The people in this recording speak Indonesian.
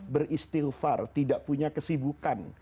beristilfar tidak punya kesibukan